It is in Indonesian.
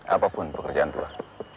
apapun pekerjaan tuhan